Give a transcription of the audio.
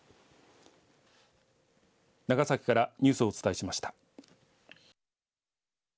長崎からニュースをお伝えしました。